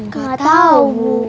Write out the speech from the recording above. gak tau bu